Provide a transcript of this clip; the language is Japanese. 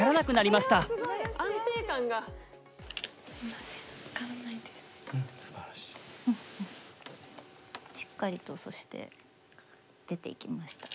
しっかりとそして出ていきましたね。